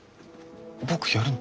僕やるの？